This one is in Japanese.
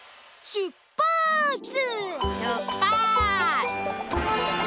しゅっぱつ！